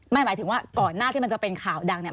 หมายถึงว่าก่อนหน้าที่มันจะเป็นข่าวดังเนี่ย